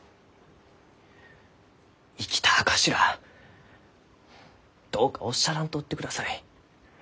生きた証しらあどうかおっしゃらんとってください。